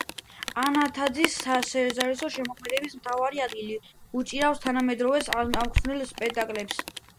ანთაძის სარეჟისორო შემოქმედებაში მთავარი ადგილი უჭირავს თანამედროვეობის ამსახველ სპექტაკლებს.